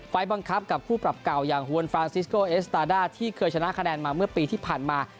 บังคับกับคู่ปรับเก่าอย่างฮวนฟรานซิสโกเอสตาด้าที่เคยชนะคะแนนมาเมื่อปีที่ผ่านมา